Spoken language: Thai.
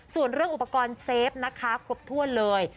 ส่วนเรื่องอุปกรณ์เซฟนะคะครบถ้วนเลย